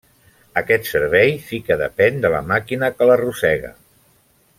Aquest servei sí que depèn de la màquina que l'arrossega.